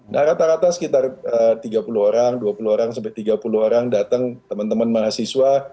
nah rata rata sekitar tiga puluh orang dua puluh orang sampai tiga puluh orang datang teman teman mahasiswa